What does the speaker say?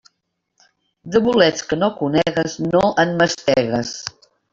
De bolets que no conegues, no en mastegues.